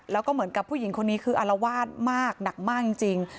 แล้วก็เหมือนกับผู้หญิงคนนี้คืออารวาสมากหนักมากจริง